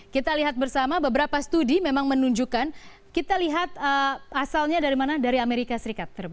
kita lihat bersama beberapa studi memang menunjukkan kita lihat asalnya dari mana dari amerika serikat